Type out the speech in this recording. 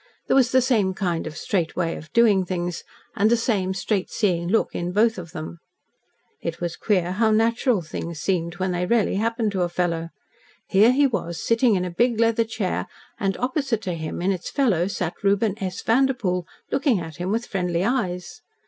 There was the same kind of straight way of doing things, and the same straight seeing look in both of them. It was queer how natural things seemed, when they really happened to a fellow. Here he was sitting in a big leather chair and opposite to him in its fellow sat Reuben S. Vanderpoel, looking at him with friendly eyes.